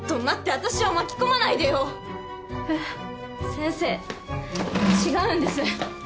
先生違うんです。